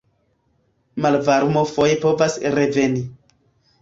Malvarmo foje povas reveni.